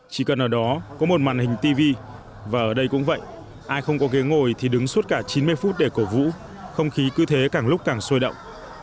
chỉ cần ở đó có một màn hình tv và ở đây cũng vậy ai không có ghế ngồi thì đứng suốt cả chín mươi phút để cổ vũ không khí cứ thế càng lúc càng sôi động